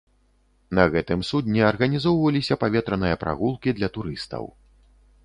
На гэтым судне арганізоўваліся паветраныя прагулкі для турыстаў.